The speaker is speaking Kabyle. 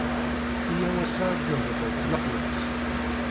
Yya-w assa ad nebḍut lexlas.